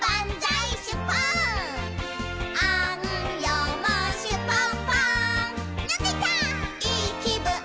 「いいきぶん！」